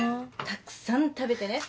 たくさん食べてね。